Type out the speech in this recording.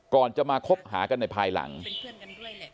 ก่อนจะมาคบหากันในภายหลังเพื่อนกันด้วย